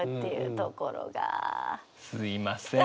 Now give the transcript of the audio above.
すいません。